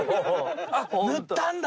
あっ塗ったんだ！